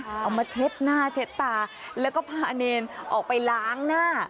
เอามาเช็ดหน้าเช็ดตาแล้วก็พาเนรออกไปล้างหน้า